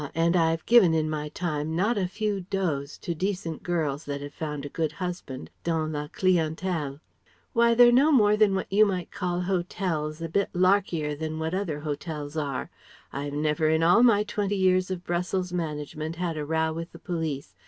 an' I've given in my time not a few dots to decent girls that had found a good husband dans la clientèle. Why they're no more than what you might call hotels a bit larkier than what other Hotels are. I've never in all my twenty years of Brussels management had a row with the police....